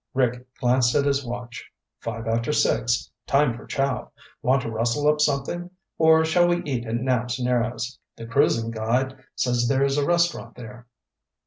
Rick glanced at his watch. "Five after six. Time for chow. Want to rustle up something? Or shall we eat at Knapps Narrows? The cruising guide says there's a restaurant there."